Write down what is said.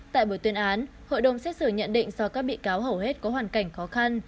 tại buổi tuyên án hội đồng xét xử nhận định do các bị cáo hầu hết có hoàn cảnh khó khăn